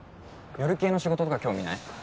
夜系の仕事とか興味ない？